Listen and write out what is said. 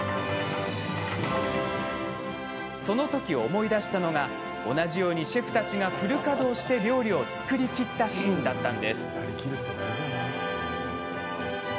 そのとき思い出したのが同じようにシェフたちがフル稼働して料理を作りきったシーンでした。